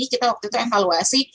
kita waktu itu evaluasi